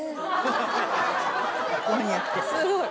すごい。